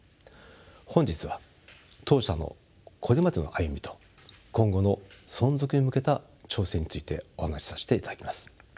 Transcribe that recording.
本日は当社のこれまでの歩みと今後の存続へ向けた挑戦についてお話しさせていただきます。